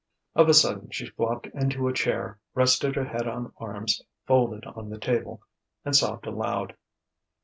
Of a sudden she flopped into a chair, rested her head on arms folded on the table, and sobbed aloud.